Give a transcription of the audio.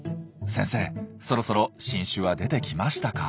先生そろそろ新種は出てきましたか？